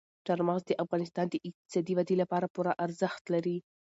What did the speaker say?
چار مغز د افغانستان د اقتصادي ودې لپاره پوره ارزښت لري.